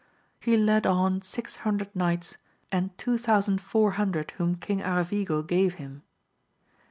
He led on six hundred knights, and two thousand four hundred whom King Aravigo gave him.